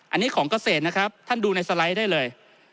อันนี้ของเกษตรนะครับท่านดูในสไลด์ได้เลย